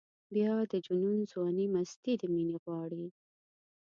بیا د جنون ځواني مستي د مینې غواړي.